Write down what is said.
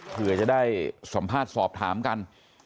เผื่อจะได้สัมภาษณ์สอบถามกัน